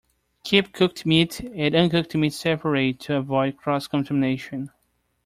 Keep cooked meat and uncooked meat separate to avoid cross-contamination.